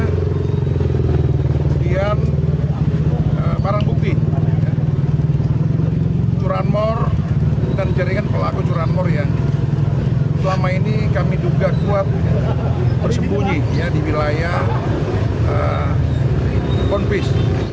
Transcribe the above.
kemudian barang bukti curanmor dan jaringan pelaku curanmor yang selama ini kami duga kuat bersembunyi di wilayah ponpis